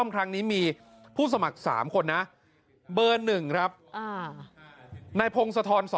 กายุ่ง